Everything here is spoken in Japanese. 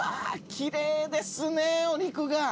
きれいですね、お肉が。